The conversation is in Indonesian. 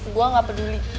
gua ga peduli